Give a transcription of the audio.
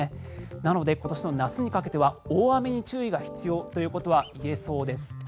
なので今年の夏にかけては大雨に注意が必要ということは言えそうです。